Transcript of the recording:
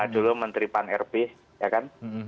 dulu menteri pan rp ya kan